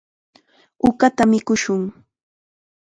Uqata mikushun.